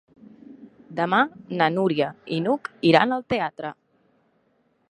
Demà na Núria i n'Hug iran al teatre.